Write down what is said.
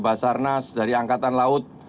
basarnas dari angkatan laut